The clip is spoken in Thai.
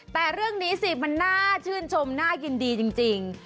แต่เรื่องนี้สิมันน่าชื่นชมน่ายินดีจริง